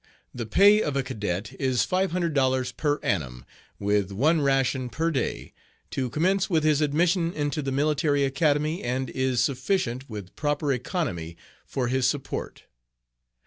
The pay of a cadet is $500 per annum, with one ration per day, to commence with his admission into the Military Academy, and is sufficient, with proper economy, for his support.